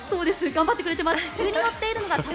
頑張ってくれていました。